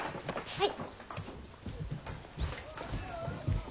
はい。